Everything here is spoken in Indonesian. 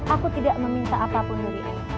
aku tidak meminta apapun dari